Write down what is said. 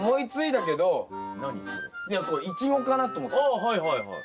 ああはいはいはい。